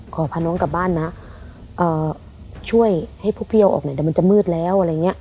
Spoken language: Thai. ขอพาน้องกลับบ้านนะช่วยให้พวกพี่เอาออกไหนแต่มันจะมืดแล้วอะไรเงี้ย